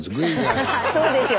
そうですよ